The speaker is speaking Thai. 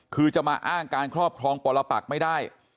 คือจะมาอ้างการครอบครองปรปักไม่ได้